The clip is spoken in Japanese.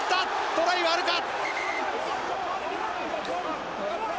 トライはあるか？